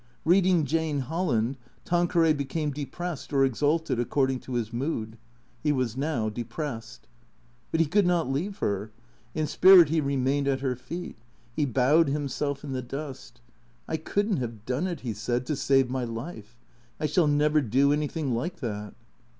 Eeading Jane Holland, Tanqueray became depressed or exalted according to his mood. He was now depressed. But he could not leave her. In spirit he remained at her feet. He bowed himself in the dust. " I could n't have done it," he said, "to save my life. I shall never do anything like that."